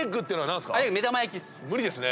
無理ですね。